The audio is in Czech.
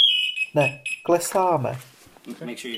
Ne, klesáme!